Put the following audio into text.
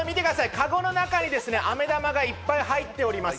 かごの中にあめ玉がいっぱい入っております。